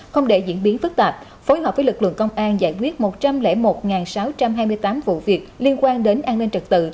không để diễn biến phức tạp phối hợp với lực lượng công an giải quyết một trăm linh một sáu trăm hai mươi tám vụ việc liên quan đến an ninh trật tự